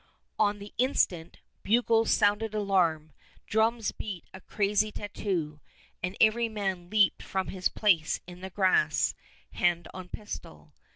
On the instant, bugles sounded alarm; drums beat a crazy tattoo, and every man leaped from his place in the grass, hand on pistol.